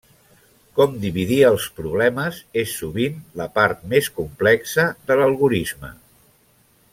Com dividir els problemes és, sovint, la part més complexa de l'algorisme.